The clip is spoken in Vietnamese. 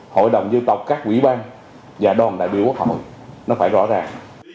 hội đồng dân tộc các quỹ ban và đoàn đại biểu quốc hội nó phải rõ ràng